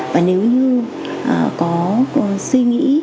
và nếu như có suy nghĩ